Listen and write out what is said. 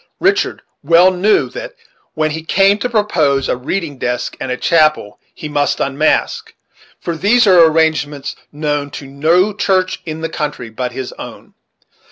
Richard well knew that, when he came to propose a reading desk and a chancel, he must unmask; for these were arrangements known to no church in the country but his own.